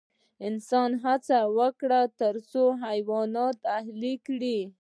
انسان هڅه وکړه تر څو حیوانات اهلي کړي.